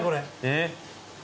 えっ？